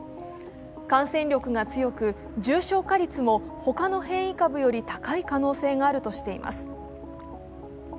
感染力が強く、重症化率も他の変異株より高い可能性があるとしています。